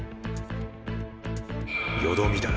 よどみだ。